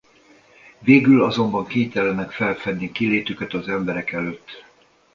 Végül azonban kénytelenek felfedni kilétüket az emberek előtt.